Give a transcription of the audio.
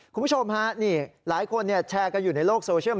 คุณผู้ชมฮะนี่หลายคนแชร์กันอยู่ในโลกโซเชียล